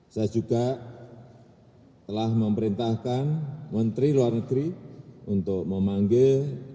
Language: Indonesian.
saya juga telah memerintahkan menteri luar negeri untuk memanggil